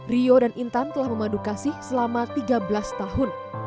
rio dan intan telah memadu kasih selama tiga belas tahun